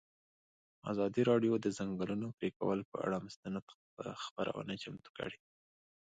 ازادي راډیو د د ځنګلونو پرېکول پر اړه مستند خپرونه چمتو کړې.